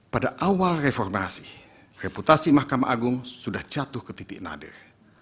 pada awal reformasi reputasi mahkamah agung sudah jatuh ke titik nadir